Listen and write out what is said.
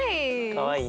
かわいい。